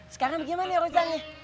sekarang gimana ya urusan nih